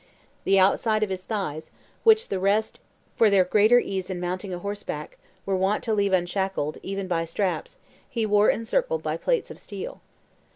The outside of his thighs, which the rest, for their greater ease in mounting a horseback, were wont to leave unshackled even by straps, he wore encircled by plates of steel.